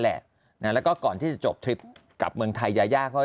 แล้วก็ก่อนที่จะจบทริปกับเมืองไทยยายาเขา